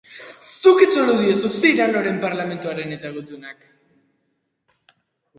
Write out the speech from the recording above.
Zuk itzuli Cyranoren parlamentuak eta gutunak.